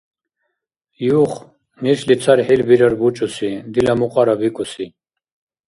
Юх, нешли цархӀил бирар бучӀуси, «Дила мукьара» бикӀуси.